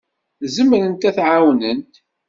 Zemrent ad d-ɛawnent.